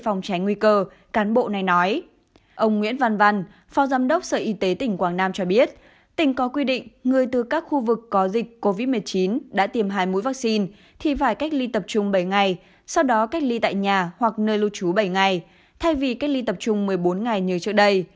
ông nguyễn văn văn phó giám đốc sở y tế tỉnh quảng nam cho biết tỉnh có quy định người từ các khu vực có dịch covid một mươi chín đã tiêm hai mũi vaccine thì phải cách ly tập trung bảy ngày sau đó cách ly tại nhà hoặc nơi lưu trú bảy ngày thay vì cách ly tập trung một mươi bốn ngày như trước đây